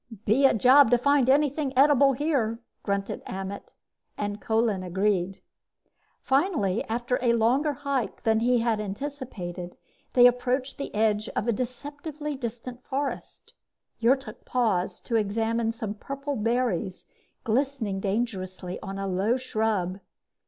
"Be a job to find anything edible here," grunted Ammet, and Kolin agreed. Finally, after a longer hike than he had anticipated, they approached the edge of the deceptively distant forest. Yrtok paused to examine some purple berries glistening dangerously on a low shrub.